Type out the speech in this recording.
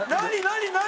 何？